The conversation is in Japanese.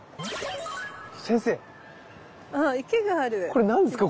これ何ですか？